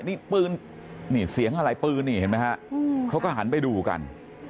นี่ปืนนี่เสียงอะไรปืนนี่เห็นไหมฮะเขาก็หันไปดูกัน